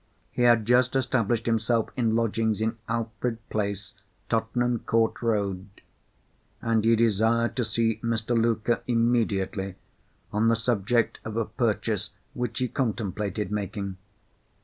He had just established himself in lodgings in Alfred Place, Tottenham Court Road; and he desired to see Mr. Luker immediately, on the subject of a purchase which he contemplated making.